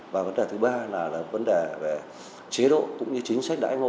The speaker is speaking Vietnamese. và vấn đề thứ ba là vấn đề về chế độ cũng như chính sách đãi ngộ